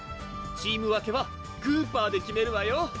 チーム分けはグーパーで決めるわよ